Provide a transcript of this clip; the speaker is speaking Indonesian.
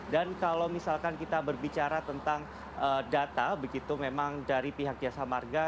dan kalau misalkan kita berbicara tentang data begitu memang dari pihak jasa marga